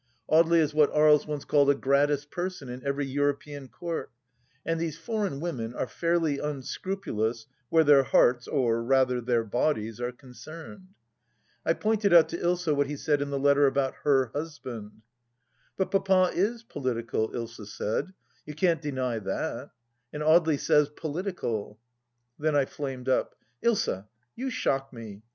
Audely is what Aries once called a gratis person in every European Court, and these foreign women are fairly unscrupulous where their hearts — or rather their bodies — are concerned. I pointed out to Ilsa what he said in the letter about Her husband. "But Papa apolitical," Ilsa said; "you cannot deny that; and Audely says political. ..." Then I flamed up. " Ilsa, you shock me !